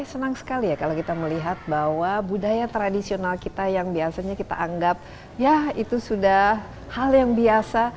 senang sekali ya kalau kita melihat bahwa budaya tradisional kita yang biasanya kita anggap ya itu sudah hal yang biasa